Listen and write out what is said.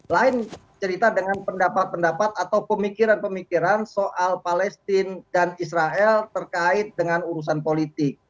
lain cerita dengan pendapat pendapat atau pemikiran pemikiran soal palestina dan israel terkait dengan urusan politik